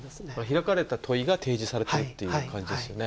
開かれた問いが提示されてるっていう感じですよね。